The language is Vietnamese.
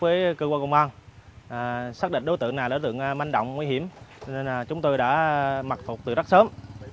với cơ quan công an xác định đối tượng này là đối tượng manh động nguy hiểm nên chúng tôi đã mặc phục từ rất sớm